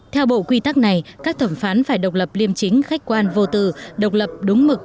theo bộ quy tắc này các thẩm phán phải độc lập liêm chính khách quan vô từ độc lập đúng mực